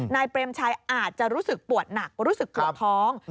เปรมชัยอาจจะรู้สึกปวดหนักรู้สึกปวดท้อง